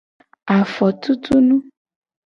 Afotutunu.